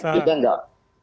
jadi kita enggak